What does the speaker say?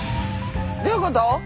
どういうこと？